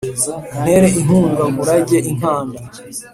untere inkunga nkurage inkanda